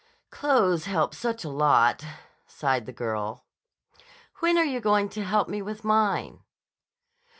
"Clothes help such a lot," sighed the girl. "When are you going to help me with mine?"